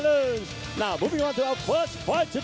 เราจะพักประเภทเป็นทั้งหมด